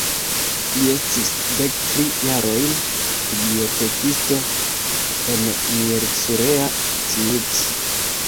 Li estis dektri jarojn bibliotekisto en Miercurea Ciuc.